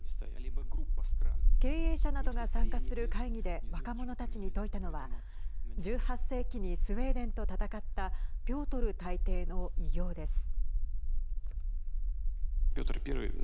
経営者などが参加する会議で若者たちに説いたのは１８世紀にスウェーデンと戦ったピョートル大帝の偉業です。